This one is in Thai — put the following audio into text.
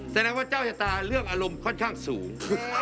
แสดงว่าเจ้าชะตาเรื่องอารมณ์ค่อนข้างสูง